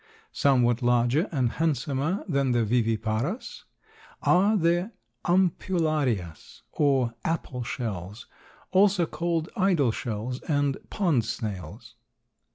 Somewhat larger and handsomer than the Viviparas are the Ampullarias, or apple shells (also called idol shells and pond snails).